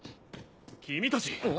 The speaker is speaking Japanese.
君たち！